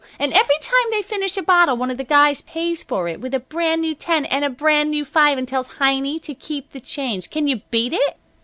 And every time they finish a bottle one of the guys pays for it with a brand new ten and a brand new five and tells Heiny to keep the change. Can you beat it?"